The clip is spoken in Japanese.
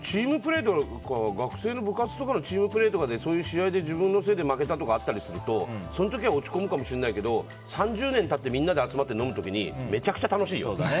あと、学生の部活のチームプレーとかでそういう試合で自分のせいで負けたりとかあったりするとその時は落ち込むかもしれないけど３０年経ってみんなで集まって飲む時にめちゃくちゃ楽しいよ。